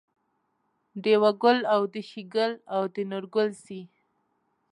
دېوه ګل او د شیګل او د نورګل سي